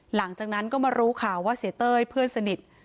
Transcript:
หลังจากนั้นก็มารู้ข่าวว่าเสียเต้ยเพื่อนสนิท